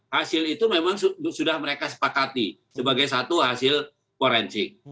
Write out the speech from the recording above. hasil itu memang sudah mereka sepakati sebagai satu hasil forensik